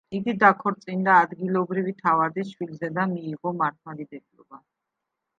იგი დაქორწინდა ადგილობრივი თავადის შვილზე და მიიღო მართლმადიდებლობა.